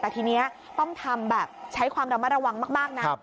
แต่ทีนี้ต้องทำแบบใช้ความระมัดระวังมากนะ